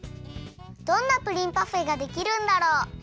どんなプリンパフェができるんだろう？